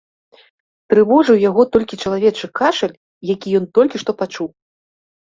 Трывожыў яго толькі чалавечы кашаль, які ён толькі што пачуў.